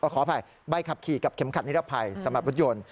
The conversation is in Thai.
ขออภัยใบขับขี่กับเข็มขัดนิรับภัยสมบัติวัติยนต์